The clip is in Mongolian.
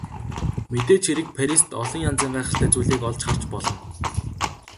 Мэдээж хэрэг Парист олон янзын гайхалтай зүйлийг олж харж болно.